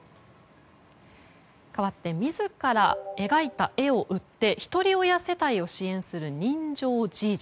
かわって自ら描いた絵を売ってひとり親世帯を支援する人情じいじ。